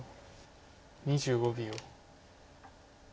２５秒。